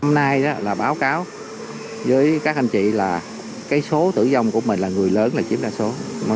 hôm nay là báo cáo với các anh chị là cái số tử vong của mình là người lớn là chiếm đa số